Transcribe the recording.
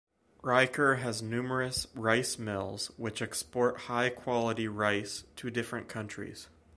Raichur has numerous rice mills which export high quality rice to different countries.